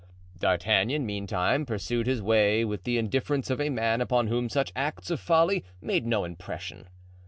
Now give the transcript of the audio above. D'Artagnan, meantime, pursued his way with the indifference of a man upon whom such acts of folly made no impression.